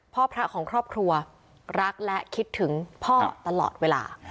พระพระของครอบครัวรักและคิดถึงพ่อตลอดเวลา